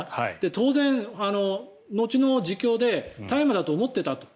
当然、後の自供で大麻だと思っていたと。